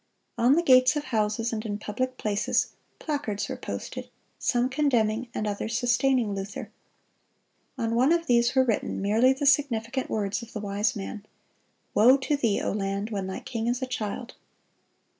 On the gates of houses and in public places, placards were posted, some condemning and others sustaining Luther. On one of these were written merely the significant words of the wise man, "Woe to thee, O land, when thy king is a child."